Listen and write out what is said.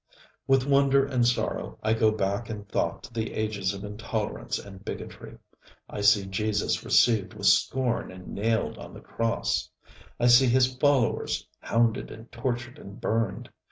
With wonder and sorrow I go back in thought to the ages of intolerance and bigotry. I see Jesus received with scorn and nailed on the cross. I see his followers hounded and tortured and burned.